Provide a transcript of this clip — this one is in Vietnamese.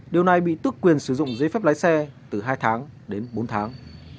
điều này bị tức quyền sử dụng giấy phép lái xe từ hai tháng đến bốn tháng